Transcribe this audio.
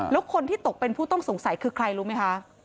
แล้วคนที่ตกเป็นผู้ต้องสงสัยคือใครรู้ไหมคะ